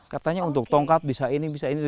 katanya untuk tongkat bisa ini bisa ini